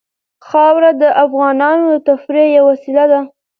خاوره د افغانانو د تفریح یوه وسیله ده.